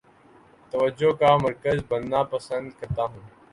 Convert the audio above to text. توجہ کا مرکز بننا پسند کرتا ہوں